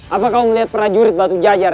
apa kamu melihat prajurit batu jajar